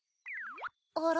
あら？